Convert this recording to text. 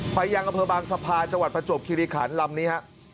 ไปยังอำเภอบางสะพานจังหวัดประจวบคิริขันลำนี้ฮะ